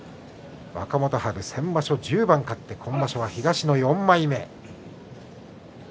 若元春も先場所１０番勝って東の４枚目。